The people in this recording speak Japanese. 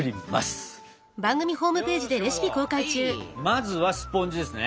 まずはスポンジですね。